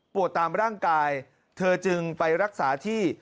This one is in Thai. ตามร่างกายเธอจึงไปรักษาที่